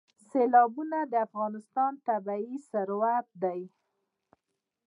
سیلابونه د افغانستان طبعي ثروت دی.